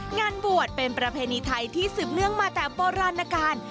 งานบวชเป็นประเพณีไทยที่สืบเนื่องมาแต่โบราณการ